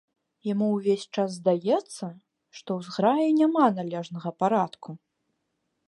Яму ўвесь час здаецца, што ў зграі няма належнага парадку.